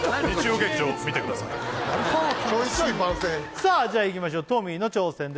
おいしい番宣さあじゃあいきましょうトミーの挑戦です